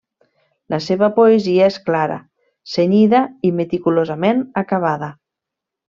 La seva poesia és clara, cenyida i meticulosament acabada.